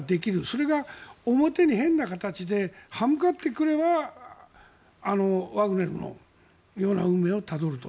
それが表に変な形で刃向かってくればワグネルのような運命をたどると。